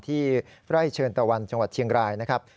ที่ไร่เชิญตะวันจังหวัดเชียงรายนะครับ